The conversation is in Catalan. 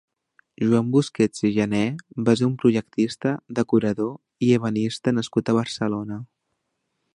Joan Busquets i Jané va ser un projectista, decorador i ebanista nascut a Barcelona.